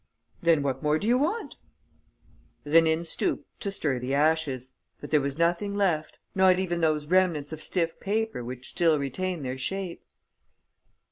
"Then what more do you want?" Rénine stooped to stir the ashes. But there was nothing left, not even those remnants of stiff paper which still retain their shape.